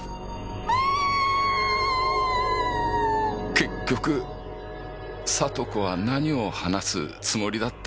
結局里子は何を話すつもりだったのか。